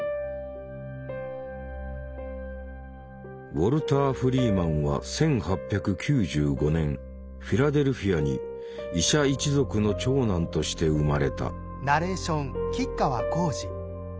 ウォルター・フリーマンは１８９５年フィラデルフィアに医者一族の長男として生まれた。